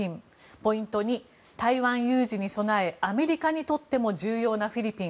ポイント２、台湾有事に備えアメリカにとっても重要なフィリピン。